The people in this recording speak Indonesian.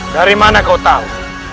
dari mana kau tahu